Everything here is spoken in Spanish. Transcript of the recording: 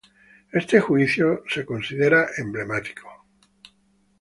Este juicio es considerado emblemático,